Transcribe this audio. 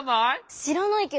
しらないけど。